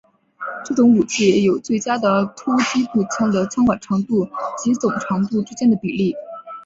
这种武器有最佳的突击步枪的枪管长度及总长度之间的比例。